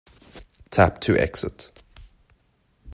Tap to exit.